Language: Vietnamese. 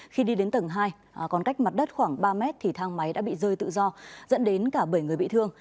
khoảng ba m thì thang máy đã bị rơi tự do dẫn đến cả bảy người bị thương